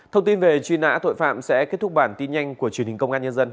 thông tin về truy nã tội phạm sẽ kết thúc bản tin nhanh của truyền hình công an nhân dân